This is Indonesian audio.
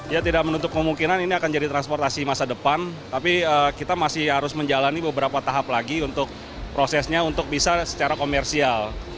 ya tidak menutup kemungkinan ini akan jadi transportasi masa depan tapi kita masih harus menjalani beberapa tahap lagi untuk prosesnya untuk bisa secara komersial